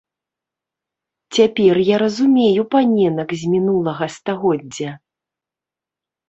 Цяпер я разумею паненак з мінулага стагоддзя!